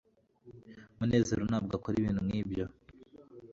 munezero ntabwo akora ibintu nkibyo